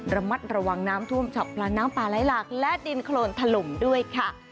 ระมัดระวังน้ำท่วมฉับพลันน้ำปลาไหลหลากและดินโครนถล่มด้วยค่ะ